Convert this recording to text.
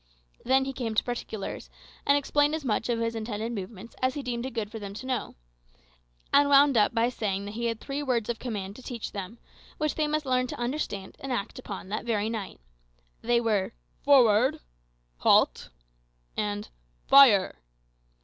Then he came to particulars, and explained as much of his intended movements as he deemed it good for them to know; and wound up by saying that he had three words of command to teach them, which they must learn to understand and act upon that very night. They were, "Forward!" "Halt!" and "Fire!"